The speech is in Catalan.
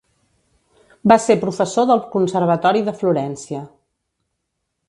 Va ser professor del Conservatori de Florència.